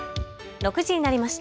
６時になりました。